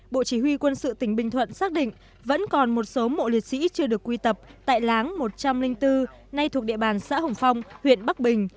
bộ chỉ huy quân sự tỉnh bình thuận xác định vẫn còn một số mộ liệt sĩ chưa được quy tập tại láng một trăm linh bốn nay thuộc địa bàn xã hồng phong huyện bắc bình